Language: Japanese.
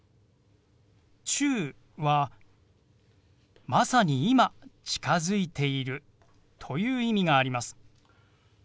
「中」は「まさに今近づいている」という意味があります。